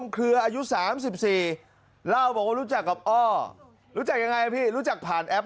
อปกรณะความรู้จักกับอ้อ